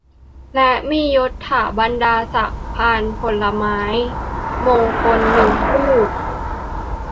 และมียศถาบรรดาศักดิ์ พานผลไม้มงคล หนึ่ง คู่